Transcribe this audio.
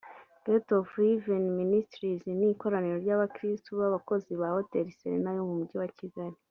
Gates of Heaven Ministries ni ikoraniro ry’abakristo b’abakozi ba Hotel Serena yo mu Mujyi wa Kigali